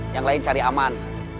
yang lain cari aman